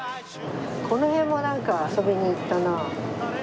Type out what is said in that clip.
この辺もなんか遊びに行ったな。